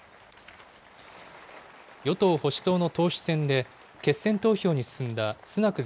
与党・保守党の党首選で、決選投票に進んだスナク